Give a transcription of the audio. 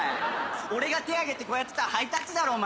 俺が手挙げてこうやってたらハイタッチだろうお前！